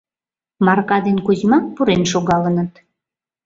Марка ден Кузьма пурен шогалыныт.